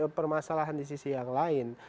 ada permasalahan di sisi yang lain